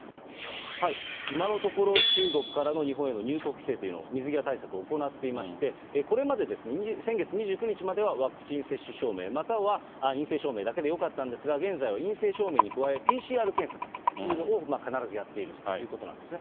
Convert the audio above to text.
今のところ、中国からの日本への入国規制というのを、水際対策を行っていまして、これまで、先月２９日まではワクチン接種証明、または陰性証明だけでよかったんですが、現在は陰性証明に加え、ＰＣＲ検査というのを必ずやっているということなんですね。